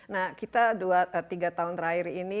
nah kita dua tiga tahun terakhir ini